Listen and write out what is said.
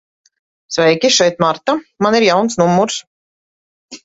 Sveiki, šeit Marta. Man ir jauns numurs.